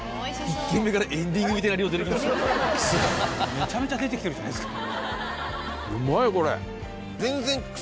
めちゃめちゃ出てきてるじゃないですか。